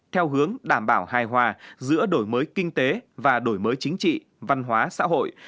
theo hướng đảm bảo hài hòa giữa đổi mới kinh tế và đổi mới chính trị văn hóa xã hội